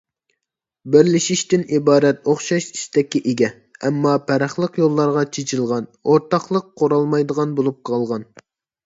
بىرلىشىشتىن ئىبارەت ئوخشاش ئىستەككە ئىگە، ئەمما پەرقلىق يوللارغا چېچىلغان، ئورتاقلىق قۇرالمايدىغان بولۇپ قالغان.